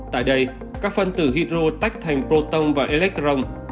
tại đây các phân tử hydro tách thành proton và elecron